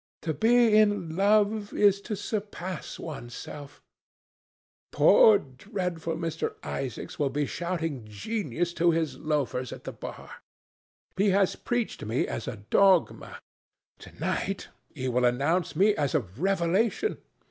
To be in love is to surpass one's self. Poor dreadful Mr. Isaacs will be shouting 'genius' to his loafers at the bar. He has preached me as a dogma; to night he will announce me as a revelation.